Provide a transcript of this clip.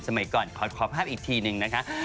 สมัยก่อนขอภาพอีกทีนึงนะคะ